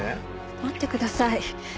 待ってください。